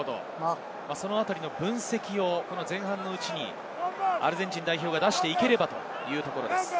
そのあたりの分析を前半のうちにアルゼンチン代表が出していければというところです。